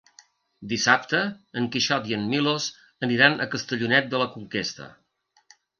Dissabte en Quixot i en Milos aniran a Castellonet de la Conquesta.